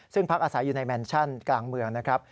ซึ่งพักอาศัยอยู่ในแมนชั่นกลางเมืองนะครับ